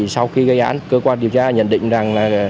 sau khi gây án cơ quan điều tra nhận định rằng là